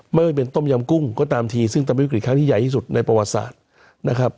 ไม่ได้เป็นต้มยำกุ้งก็ตามทีซึ่งต้มวิกฤตค่าที่ใหญ่ที่สุดในประวัติศาสตร์